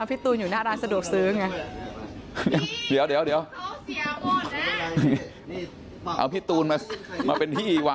เอาพี่ตูนอยู่หน้าร้านสะดวกซื้อ